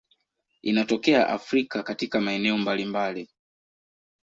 Inatokea Afrika katika maeneo mbalimbali.